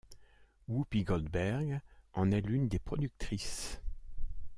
Whoopi Goldberg en est l'une des productrices.